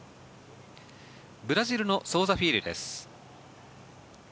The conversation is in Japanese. ブラジルのソウザ・フィーリョです。